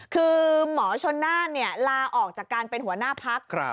คือหมอชนานเนี่ยลาออกจากการเป็นหัวหน้าพรรคครับ